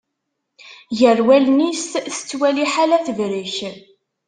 Ger wallen-is tettwali ḥala tebrek.